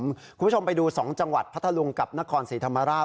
คุณผู้ชมไปดู๒จังหวัดพัทธลุงกับนครศรีธรรมราช